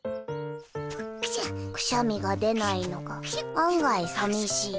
くしゃみが出ないのが案外さみしい。